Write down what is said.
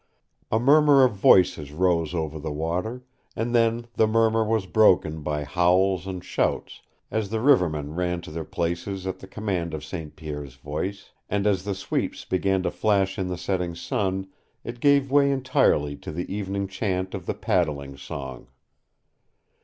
A murmur of voices rose over the water, and then the murmur was broken by howls and shouts as the rivermen ran to their places at the command of St. Pierre's voice, and as the sweeps began to flash in the setting sun, it gave way entirely to the evening chant of the Paddling Song.